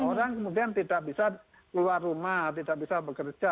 orang kemudian tidak bisa keluar rumah tidak bisa bekerja